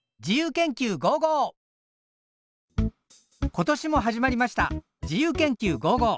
今年も始まりました「自由研究５５」。